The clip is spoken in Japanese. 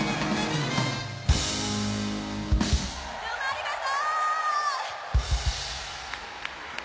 どうもありがと！